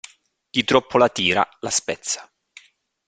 Chi troppo la tira la spezza.